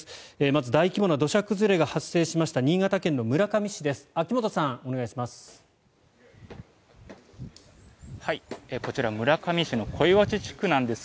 まず大規模な土砂崩れが発生しました新潟県村上市です。